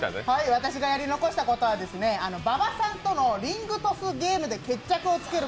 私がやり残したことは、馬場さんとの「リングトスゲーム」です。